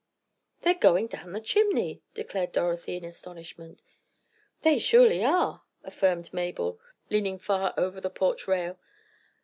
"They're going down the chimney!" declared Dorothy, in astonishment. "They surely are!" affirmed Mabel, leaning far over the porch rail.